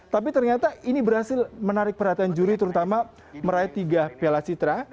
tapi ternyata ini berhasil menarik perhatian juri terutama meraih tiga piala citra